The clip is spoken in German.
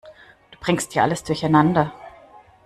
Du bringst ja alles durcheinander.